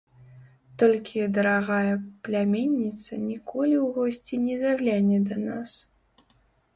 Толькі дарагая пляменніца ніколі ў госці не загляне да нас.